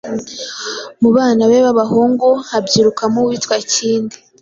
Mu bana be b’abahungu habyirukamo uwitwa Kindi,